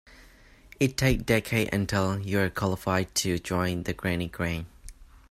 It takes decades until you're qualified to join the granny gang.